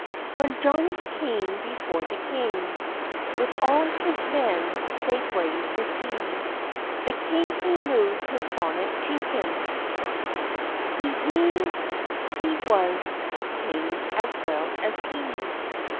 When Johnnie came before the king, With all his men sae brave to see, The king he moved his bonnet to him; He ween'd he was a king as well as he.